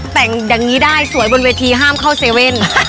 แต่งอย่างนี้ได้สวยบนเวทีห้ามเข้าเซเว่น